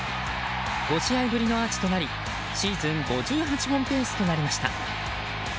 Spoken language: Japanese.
５試合ぶりのアーチとなりシーズン５８本ペースとなりました。